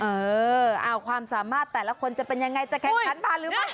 เออความสามารถแต่ละคนจะเป็นยังไงจะแข่งขันผ่านหรือไม่